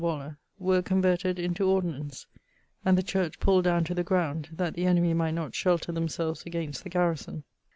Waller, were converted into ordinance, and the church pulled downe to the ground, that the enemie might not shelter themselves against the garrison.